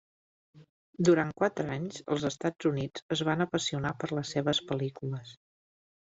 Durant quatre anys, els Estats Units es van apassionar per les seves pel·lícules.